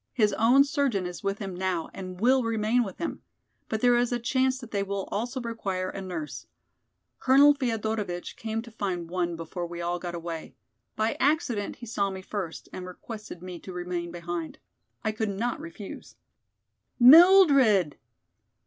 His own surgeon is with him now and will remain with him. But there is a chance that they will also require a nurse. Colonel Feodorovitch came to find one before we all got away. By accident he saw me first and requested me to remain behind. I could not refuse." "Mildred!"